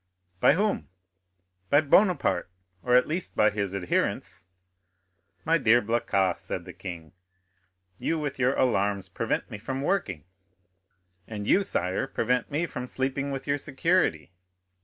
"By whom?" "By Bonaparte, or, at least, by his adherents." "My dear Blacas," said the king, "you with your alarms prevent me from working." "And you, sire, prevent me from sleeping with your security."